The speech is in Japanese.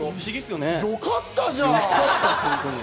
よかったじゃん。